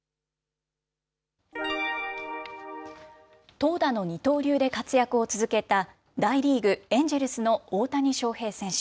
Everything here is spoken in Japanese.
投打の二刀流で活躍を続けた、大リーグ・エンジェルスの大谷翔平選手。